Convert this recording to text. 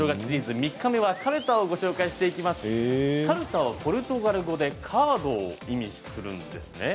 カルタはポルトガル語でカードを意味するんですね。